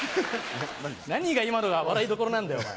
何が今のが笑いどころなんだよ？